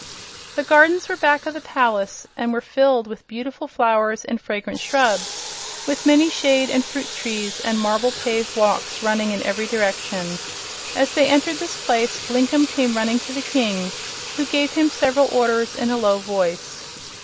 The gardens were back of the palace and were filled with beautiful flowers and fragrant shrubs, with many shade and fruit trees and marble paved walks running in every direction. As they entered this place Blinkem came running to the King, who gave him several orders in a low voice.